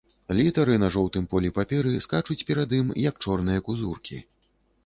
Літары на жоўтым полі паперы скачуць перад ім, як чорныя кузуркі.